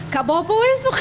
gak apa apa wess pokoknya